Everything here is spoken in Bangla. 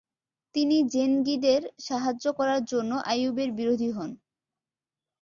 তিনি জেনগিদের সাহায্য করার জন্য আইয়ুবের বিরোধী হন।